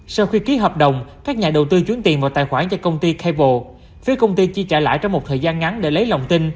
sau khi ký hợp đồng các nhà đầu tư chuyển tiền vào tài khoản cho công ty capo phía công ty chi trả lại trong một thời gian ngắn để lấy lòng tin